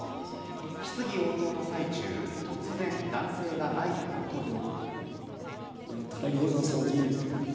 質疑応答の最中突然、男性がマイクを取ると。